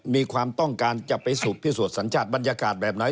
มีความต้องการจะไปสูบพิสูจนสัญชาติบรรยากาศแบบไหน